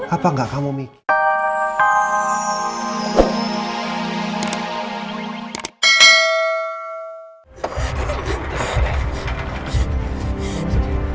apa gak kamu mikir